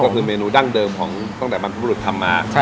ก็คือเมนูดั้งเดิมต้องไหลบรรทบุรุษทำมา